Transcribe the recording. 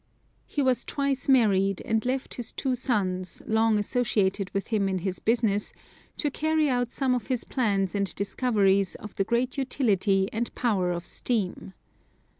He was twice married, and left his two sons, long associated with him in his business, to carry out some of his plans and discoveries of the great utility and power of steam.